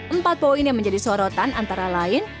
empat poin yang menjadi sorotan antara lain